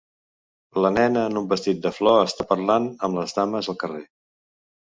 La nena en un vestit de flor està parlant amb les dames al carrer